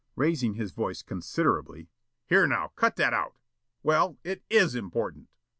... Raising his voice considerably: "Here, now, cut that out! ... Well, it IS important.